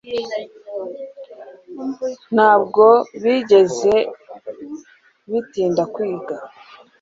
ntabwo bigeze bitinda kwiga